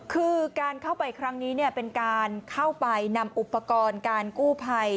คือการเข้าไปครั้งนี้เป็นการเข้าไปนำอุปกรณ์การกู้ภัย